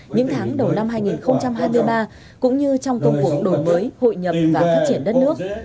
những tháng đầu năm hai nghìn hai mươi ba cũng như trong công cuộc đổi mới hội nhập và phát triển đất nước